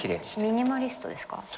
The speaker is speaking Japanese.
ミニマリストですか？